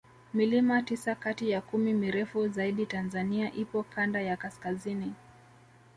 milima tisa Kati ya kumi mirefu zaidi tanzania ipo Kanda ya kaskazini